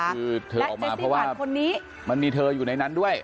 คือเธอออกมาเพราะว่ามันมีเธออยู่ในนั้นด้วย